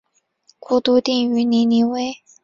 国都定于尼尼微。